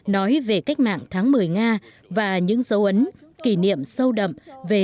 nói về cách mạng tháng một mươi nga và những dấu ấn kỷ niệm sâu đậm về tình hữu nghị việt nga